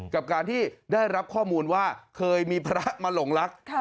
กับการที่ได้รับข้อมูลว่าเคยมีพระมาหลงรัก